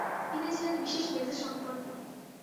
তিনি ছিলেন বিশেষ মেধাসম্পন্ন।